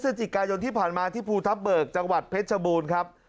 พฤศจิกายนที่ผ่านมาที่ภูทับเบิกจังหวัดเพชรชบูรณ์ครับ